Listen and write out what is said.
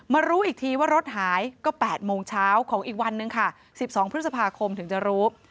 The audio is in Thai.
รู้อีกทีว่ารถหายก็๘โมงเช้าของอีกวันนึงค่ะ๑๒พฤษภาคมถึงจะรู้